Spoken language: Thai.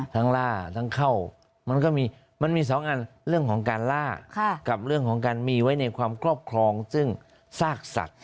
ล่าทั้งเข้ามันก็มีมันมีสองอันเรื่องของการล่ากับเรื่องของการมีไว้ในความครอบครองซึ่งซากสัตว์